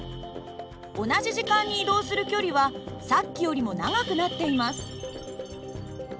同じ時間に移動する距離はさっきよりも長くなっています。